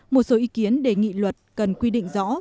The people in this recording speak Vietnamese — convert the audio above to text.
một số ý kiến đề nghị luật cần quy định rõ